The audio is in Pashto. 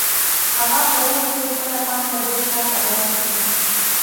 هغه کولی شي خپله پانګه بېرته ترلاسه کړي